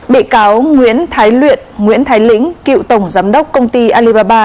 bị cáo nguyễn thái luyện nguyễn thái lĩnh cựu tổng giám đốc công ty alibaba